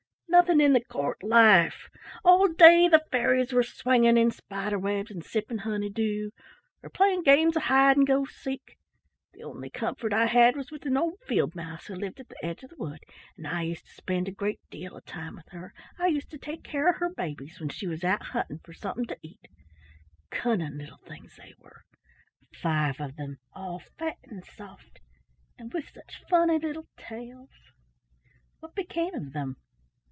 "Nothing in the court life. All day the fairies were swinging in spider webs and sipping honey dew, or playing games of hide and go seek. The only comfort I had was with an old field mouse who lived at the edge of the wood, and I used to spend a great deal of time with her; I used to take care of her babies when she was out hunting for something to eat; cunning little things they were, — five of them, all fat and soft, and with such funny little tails." "What became of them?"